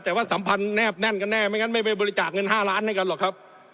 แต่ว่าสัมพันธ์แนบแน่นกันแน่ไม่งั้นไม่ไปบริจาคเงิน๕ล้านให้กันหรอกครับ